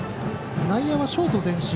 内野はショート前進。